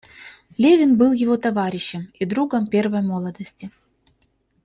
Левин был его товарищем и другом первой молодости.